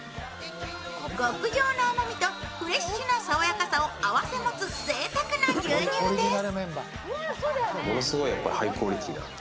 極上な甘みと、フレッシュな爽やかさを併せ持つぜいたくな牛乳です。